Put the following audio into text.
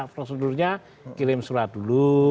prosedurnya kirim surat dulu